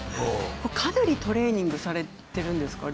かなりトレーニングをされてるんですか？